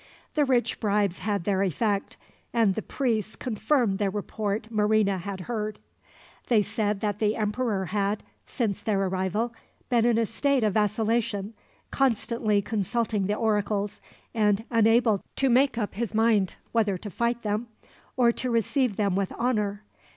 The rich bribes had their effect, and the priests confirmed the report Marina had heard. They said that the emperor had, since their arrival, been in a state of vacillation, constantly consulting the oracles, and unable to make up his mind whether to fight them, or to receive them with honor.